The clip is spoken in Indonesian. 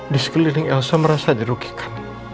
di sekeliling elsa merasa dirugikan